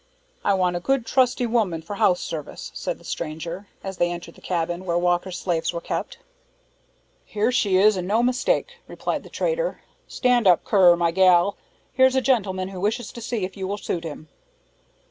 "I want a good, trusty woman for house service," said the stranger, as they entered the cabin where Walker's slaves were kept. "Here she is, and no mistake," replied the trader. "Stand up, Currer, my gal; here's a gentleman who wishes to see if you will suit him."